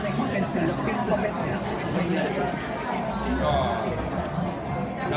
รู้ได้เราชอบมันเลย